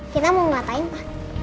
kita mau ngapain pa